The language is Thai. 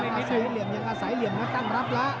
อาศัยเหลี่ยมยังอาศัยเหลี่ยมนะตั้งรับแล้ว